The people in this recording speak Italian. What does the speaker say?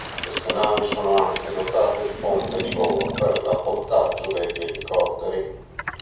Queste navi sono anche dotate di ponte di volo per l'appontaggio degli elicotteri.